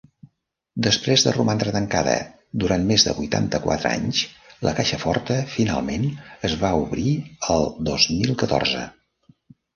Després de romandre tancada durant més de vuitanta-quatre anys, la caixa forta finalment es va obrir el dos mil catorze.